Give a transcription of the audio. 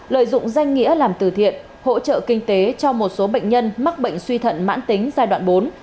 lợi dụng danh nghĩa làm từ thiện hỗ trợ kinh tế cho một số bệnh nhân mắc bệnh suy thận mãn tính giai đoạn bốn